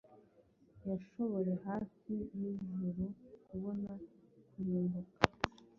Yashoboye hafi yijuru kubona kurimbuka